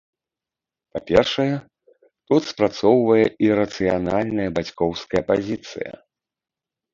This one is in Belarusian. Па-першае, тут спрацоўвае і рацыянальная бацькоўская пазіцыя.